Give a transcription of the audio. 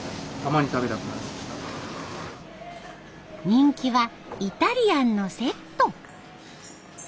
人気はイタリアンのセット。